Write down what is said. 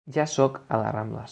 Ja sóc a les Rambles.